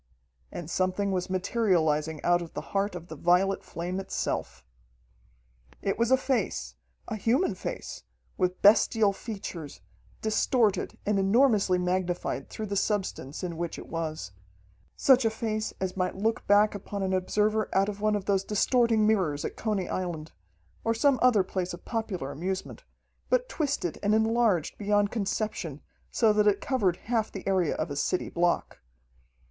And something was materializing out of the heart of the violet flame itself. It was a face a human face, with bestial features, distorted and enormously magnified through the substance in which it was. Such a face as might look back upon an observer out of one of those distorting mirrors at Coney Island, or some other place of popular amusement, but twisted and enlarged beyond conception, so that it covered half the area of a city block.